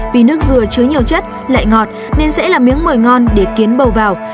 vì nước dừa chứa nhiều chất lạy ngọt nên dễ làm miếng mồi ngon để kiến bầu vào